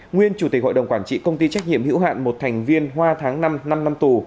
nguyên chủ tịch hội đồng quản trị công ty trách nhiệm hữu hạn một thành viên hoa tháng năm năm tù